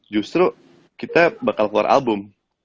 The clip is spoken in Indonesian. justru kita bakal keluar album